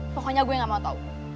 pokoknya gue gak mau tahu